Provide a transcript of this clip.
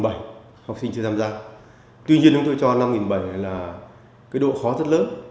năm học hai nghìn một mươi bảy học sinh chưa tham gia tuy nhiên chúng tôi cho năm học sinh là cái độ khó rất lớn